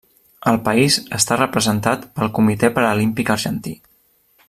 El país està representat pel Comitè Paralímpic Argentí.